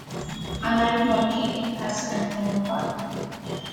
I might not take it as anything important.